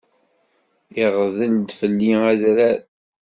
Iɣḍel-d fell-i adrar.